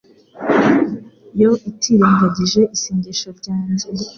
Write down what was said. yo itirengagije isengesho ryanjye